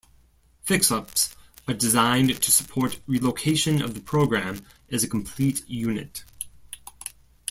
Fixups are designed to support relocation of the program as a complete unit.